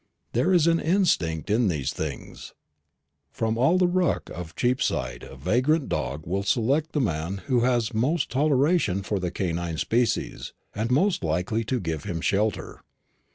There is an instinct in these things. From all the ruck of Cheapside a vagrant dog will select the man who has most toleration for the canine species, and is most likely to give him shelter.